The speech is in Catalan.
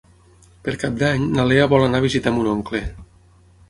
Per Cap d'Any na Lea vol anar a visitar mon oncle.